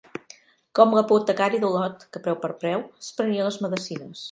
Com l'apotecari d'Olot, que, preu per preu, es prenia les medecines.